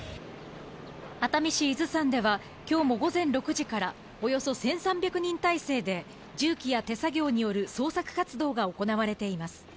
熱海市伊豆山では、きょうも午前６時から、およそ１３００人態勢で重機や手作業による捜索活動が行われています。